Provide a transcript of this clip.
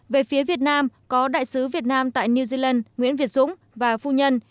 về phía việt nam có đại sứ việt nam tại new zealand nguyễn việt dũng và phu nhân